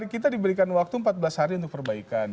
kita diberikan waktu empat belas hari untuk perbaikan